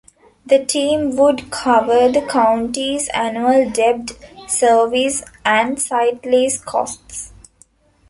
The team would cover the county's annual debt service and site lease costs.